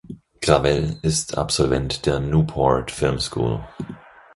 Gravelle ist Absolvent der Newport Film School.